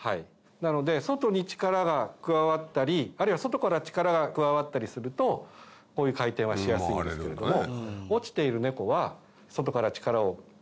なので外に力が加わったりあるいは外から力が加わったりするとこういう回転はしやすいんですけれども。